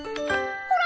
ほら！